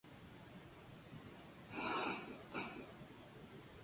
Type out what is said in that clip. Los Talibanes negaron que haya sido capturado.